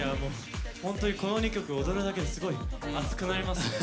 本当にこの２曲踊るだけですごい熱くなりますね。